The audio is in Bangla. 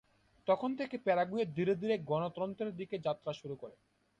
তখন থেকে প্যারাগুয়ে ধীরে ধীরে গণতন্ত্রের দিকে যাত্রা শুরু করে।